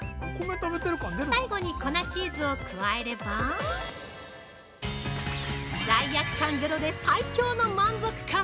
最後に粉チーズを加えれば罪悪感ゼロで最強の満足感！